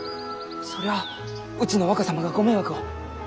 そりゃあうちの若様がご迷惑を。